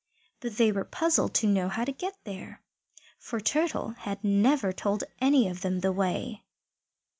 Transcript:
But they were puzzled to know how to get there, for Turtle had never told any of them the way.